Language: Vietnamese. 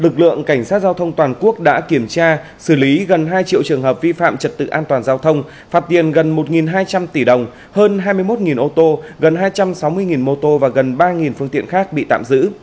lực lượng cảnh sát giao thông toàn quốc đã kiểm tra xử lý gần hai triệu trường hợp vi phạm trật tự an toàn giao thông phạt tiền gần một hai trăm linh tỷ đồng hơn hai mươi một ô tô gần hai trăm sáu mươi mô tô và gần ba phương tiện khác bị tạm giữ